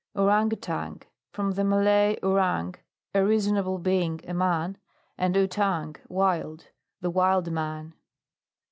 OURANG OUTANG. From the Malay, ourang, a reasonable being, a man, and outang, wild. The wild man.